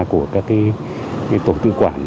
của các tổ tư quản